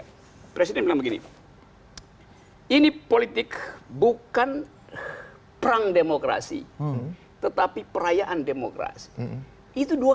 hai presiden gini ini politik bukan perang demokrasi tetapi perayaan demokrasi itu dua